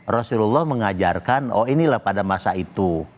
rasulullah mengajarkan oh inilah pada masa itu